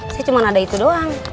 saya cuma ada itu doang